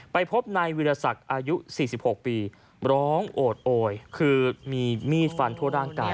พบนายวิรสักอายุ๔๖ปีร้องโอดโอยคือมีมีดฟันทั่วร่างกาย